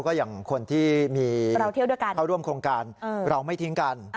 ก็อย่างคนที่เข้าร่วมโครงการเราไม่ทิ้งกัน